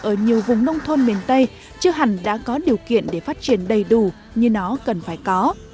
ở nhiều vùng nông thôn miền tây chưa hẳn đã có điều kiện để phát triển đầy đủ như nó cần phải có